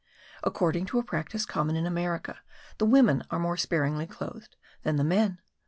According to a practice common in America, the women are more sparingly clothed than the men.